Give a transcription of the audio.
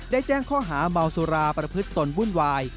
แจ้งข้อหาเมาสุราประพฤติตนวุ่นวาย